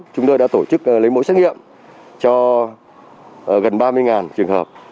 chúng tôi đã tổ chức lấy mẫu xét nghiệm cho gần ba mươi trường hợp